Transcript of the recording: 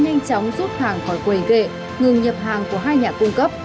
trước đó bách hóa xanh đã đưa hàng khỏi quầy ghệ ngừng nhập hàng của hai nhà cung cấp